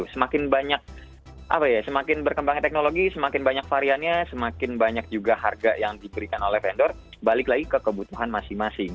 semakin banyak apa ya semakin berkembangnya teknologi semakin banyak variannya semakin banyak juga harga yang diberikan oleh vendor balik lagi ke kebutuhan masing masing